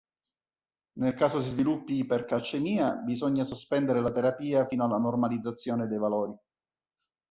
Nel caso si sviluppi ipercalcemia bisogna sospendere la terapia fino alla normalizzazione dei valori.